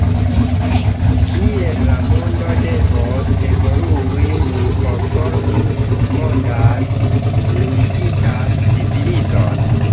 Kiel la mondo devos evolui nun por formi tutmondan, unuigitan civilizon?